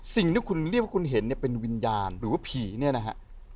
สิ่งที่คุณเรียกว่าคุณเห็นเนี่ยเป็นวิญญาณหรือว่าผีเนี่ยนะฮะ